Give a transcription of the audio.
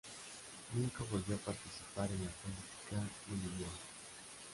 Nunca volvió a participar en la política boliviana.